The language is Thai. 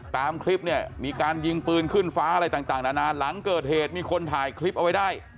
ตามคลิปเนี่ยมีการยิงปืนขึ้นฟ้าอะไรต่างนานาหลังเกิดเหตุมีคนถ่ายคลิปเอาไว้ได้